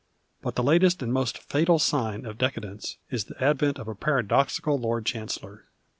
But the latest and most fatal sign of dccadcnee is the advent of a paradoxical Lord Chancellor.